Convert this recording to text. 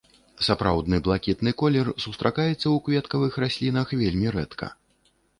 Сапраўдны блакітны колер сустракаецца ў кветкавых раслінах вельмі рэдка.